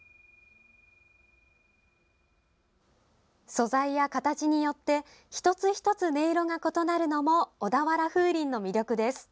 素材や形によって一つ一つ音色が異なるのも小田原風鈴の魅力です。